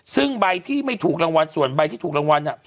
ซึ่งใบที่ไม่ถูกรางวัลส่วนใบที่ถูกรางวัล